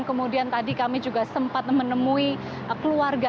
kemudian tadi kami juga sempat menemui keluarga